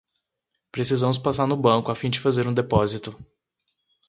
Precisamos passar no banco a fim de fazer um depósito